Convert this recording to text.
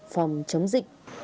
phòng chống dịch